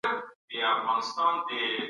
معقولیت په ژوند کي مهم دی.